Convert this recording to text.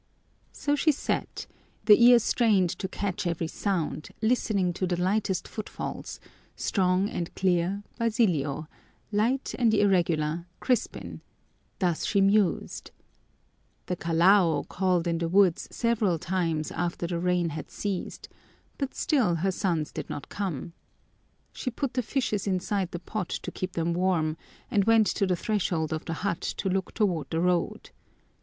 So she sat, he ear strained to catch every sound, listening to the lightest footfalls: strong and clear, Basilio; light and irregular, Crispin thus she mused. The kalao called in the woods several times after the rain had ceased, but still her sons did not come. She put the fishes inside the pot to keep them warm and went to the threshold of the hut to look toward the road.